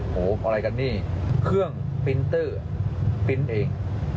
โอ้โหอะไรกันนี่เครื่องปินเตอร์ปริ้นต์เอง